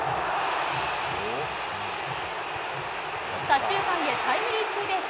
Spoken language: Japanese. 左中間へタイムリーツーベース。